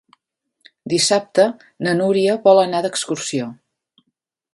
Dissabte na Núria vol anar d'excursió.